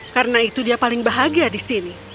karena itu dia paling bahagia di sini